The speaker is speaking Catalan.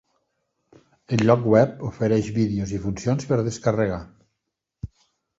El lloc web ofereix vídeos i funcions per descarregar.